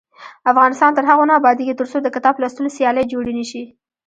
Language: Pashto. افغانستان تر هغو نه ابادیږي، ترڅو د کتاب لوستلو سیالۍ جوړې نشي.